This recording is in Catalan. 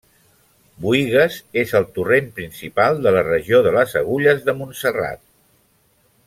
Boïgues és el torrent principal de la regió de Les Agulles de Montserrat.